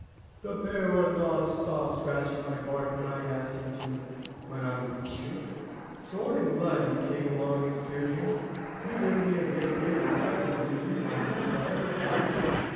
"The bear would not stop scratching my bark when I asked him to," went on the beech tree, "so I am glad you came along, and scared him. You did me a great favor and I will do you one if I ever can."